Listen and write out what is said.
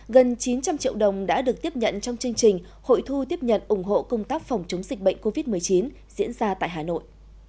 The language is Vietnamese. gần chín trăm linh triệu đồng đã được tiếp nhận trong chương trình hội thu tiếp nhận ủng hộ công tác phòng chống dịch bệnh covid một mươi chín diễn ra tại hà nội